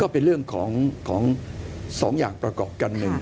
เป็นเรื่องของ๒อย่างประกอบกันหนึ่ง